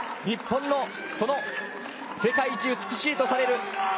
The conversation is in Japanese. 日本の世界一美しいとされる